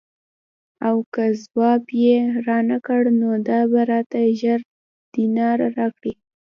او که ځواب یې رانه کړ نو دا به راته زر دیناره راکړي.